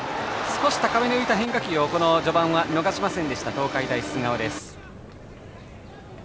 少し高めに浮いた変化球を序盤は逃しませんでした東海大菅生です。